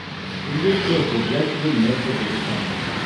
In this case, the judge will make the decision.